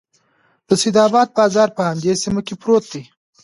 د سیدآباد بازار په همدې سیمه کې پروت دی.